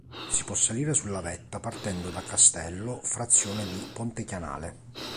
Si può salire sulla vetta partendo da Castello frazione di Pontechianale.